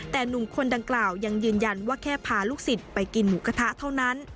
แต่หนุ่มคนดังกล่าวยังยืนยันว่าแค่พาลูกศิษย์ไปกินหมูกระทะเท่านั้น